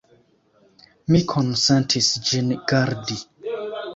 Mi konsentis ĝin gardi.